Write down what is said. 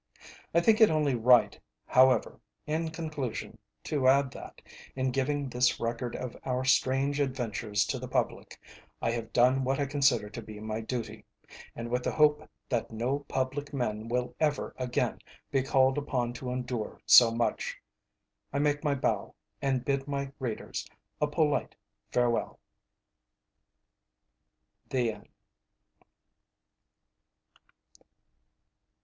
I think it only right, however, in conclusion, to add that, in giving this record of our strange adventures to the public, I have done what I consider to be my duty; and with the hope that no public men will ever again be called upon to endure so much, I make my bow, and bid my readers a polite farewell. THE END.